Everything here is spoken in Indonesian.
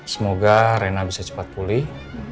semoga rena bisa cepat pulih